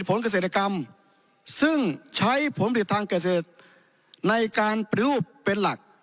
ผลเกษตรกรรมซึ่งใช้ผลผลิตทางเกษตรในการปฏิรูปเป็นหลัก